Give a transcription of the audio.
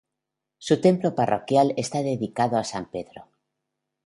Su templo parroquial está dedicado a San Pedro.